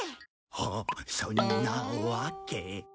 はあそんなわけ。